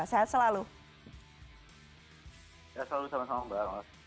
sehat selalu sama sama mbak arma